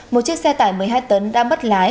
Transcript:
một chiếc xe tải một mươi hai tấn đã mất lái